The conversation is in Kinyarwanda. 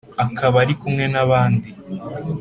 akaba ari kumwe n’abandi